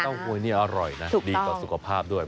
เต้าหวยนี่อร่อยนะดีกว่าสุขภาพด้วย